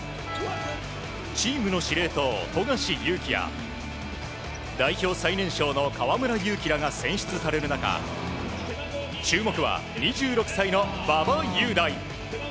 チームの司令塔、富樫勇樹や代表最年少の河村勇輝らが選出される中注目は２６歳の馬場雄大。